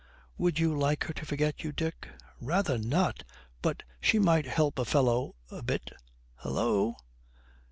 'Would you like her to forget you, Dick?' 'Rather not. But she might help a fellow a bit. Hullo!'